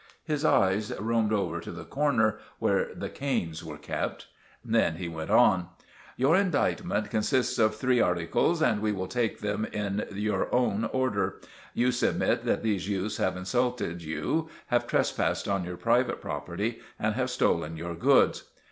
His eyes roamed over to the corner where the canes were kept. Then he went on— "Your indictment consists of three articles, and we will take them in your own order. You submit that these youths have insulted you, have trespassed on your private property, and have stolen your goods.